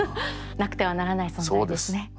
なくてはならない存在ですね。